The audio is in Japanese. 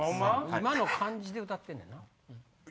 今の感じで歌ってんねんな。